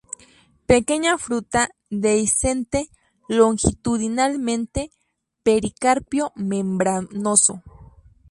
Pequeña fruta, dehiscente longitudinalmente; pericarpio membranoso.